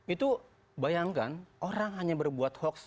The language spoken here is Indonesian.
itu bayangkan orang hanya berbuat hoax